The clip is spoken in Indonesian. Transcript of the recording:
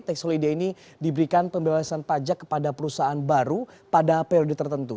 tax holiday ini diberikan pembebasan pajak kepada perusahaan baru pada periode tertentu